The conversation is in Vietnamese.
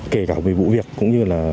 kể cả về vụ việc cũng như là